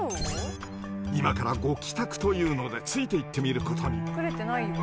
今からご帰宅というのでついていってみることに。